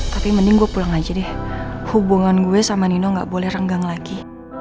tapi mending gue pulang aja deh hubungan gue sama nino gak boleh renggang lagi